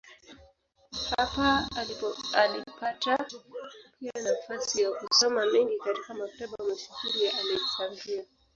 Hapa alipata pia nafasi ya kusoma mengi katika maktaba mashuhuri ya Aleksandria.